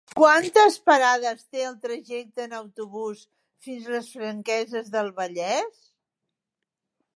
Quantes parades té el trajecte en autobús fins a les Franqueses del Vallès?